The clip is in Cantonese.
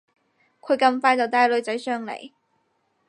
佢咁快就帶女仔上嚟